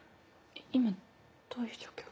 今どういう状況？